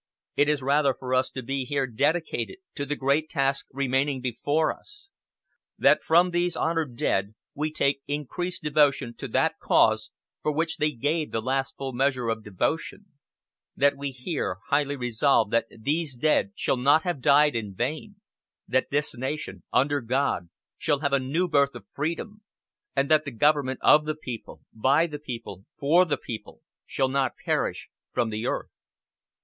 It is rather for us to be here dedicated to the great task remaining before us that from these honored dead we take increased devotion to that cause for which they gave the last full measure of devotion; that we here highly resolve that these dead shall not have died in vain; that this nation, under God, shall have a new birth of freedom, and that government of the people, by the people, for the people, shall not perish from the earth."